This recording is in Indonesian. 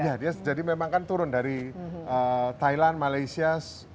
iya dia jadi memang kan turun dari thailand malaysia